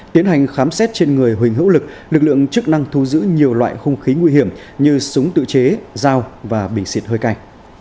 tiến hành khám xét trên người huỳnh hữu lực lực lượng chức năng thu giữ nhiều loại hung khí nguy hiểm như súng tự chế dao và bình xịt hơi cay